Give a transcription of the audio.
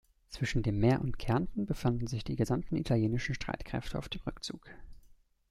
Zwischen dem Meer und Kärnten befanden sich die gesamten italienischen Streitkräfte auf dem Rückzug.